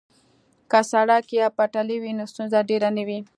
که سړک یا پټلۍ وي نو ستونزه ډیره نه وي